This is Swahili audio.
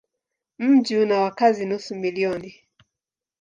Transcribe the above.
Mji una wakazi nusu milioni.